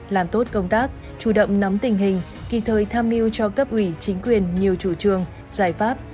làm tốt công tác chủ động nắm tình hình kỳ thời tham mưu cho cấp ủy chính quyền nhiều chủ trương giải pháp